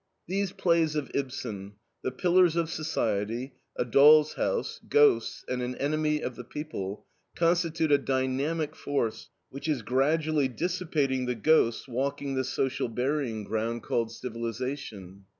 These plays of Ibsen THE PILLARS OF SOCIETY, A DOLL'S HOUSE, GHOSTS, and AN ENEMY OF THE PEOPLE constitute a dynamic force which is gradually dissipating the ghosts walking the social burying ground called civilization.